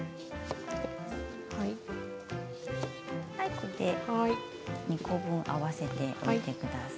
これで２個分、合わせておいてください。